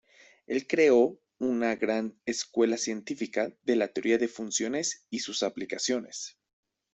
Él creó una gran escuela científica de la teoría de funciones y sus aplicaciones.